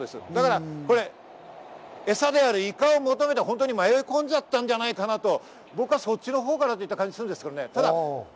だからエサであるイカを求めて迷い込んじゃったんじゃないかなと僕はそっちの方かなといった感じするんですけどね。